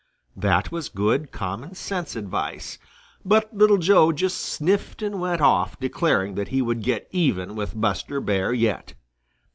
That was good common sense advice, but Little Joe just sniffed and went off declaring that he would get even with Buster Bear yet.